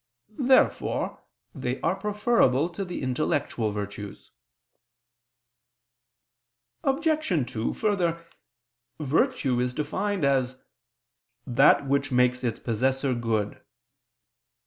Therefore they are preferable to the intellectual virtues. Obj. 2: Further, virtue is defined as "that which makes its possessor good."